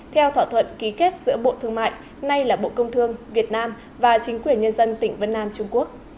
theo thỏa thuận ký kết giữa bộ thương mại nay là bộ công thương việt nam và chính quyền nhân dân tỉnh vân nam trung quốc